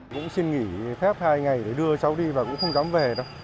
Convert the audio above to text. cũng xin nghỉ phép hai ngày để đưa cháu đi và cũng không dám về đâu